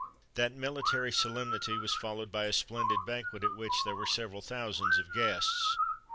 That military solemnity was followed by a splendid banquet, at which there were several thousands of guests.